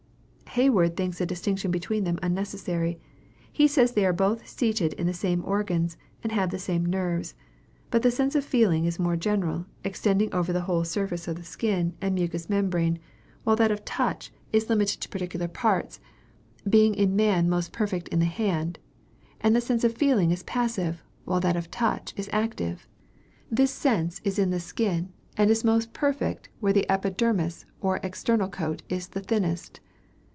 _ Hayward thinks a distinction between them unnecessary. He says they are both seated in the same organs, and have the same nerves. But the sense of feeling is more general, extending over the whole surface of the skin and mucus membrane, while that of touch is limited to particular parts, being in man most perfect in the hand; and the sense of feeling is passive, while that of touch is active. This sense is in the skin, and is most perfect where the epidermis, or external coat, is the thinnest.